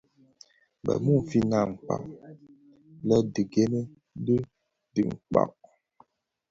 Bë mumfin akpaň lè dhi gènè kè dhikpag.